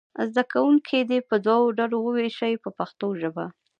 زده کوونکي دې په دوو ډلو وویشئ په پښتو ژبه.